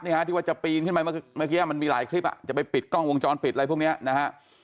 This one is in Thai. ที่ว่าจะปีนขึ้นไปเมื่อกี้มันมีหลายคลิปอ่ะจะไปปิดกล้องวงจรปิดอะไรพวกเนี้ยนะฮะ